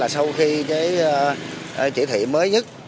sau khi cái chỉ thị mới nhất